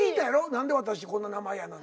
何で私こんな名前やの。